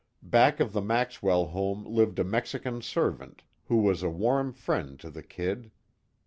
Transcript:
Back of the Maxwell home lived a Mexican servant, who was a warm friend to the "Kid."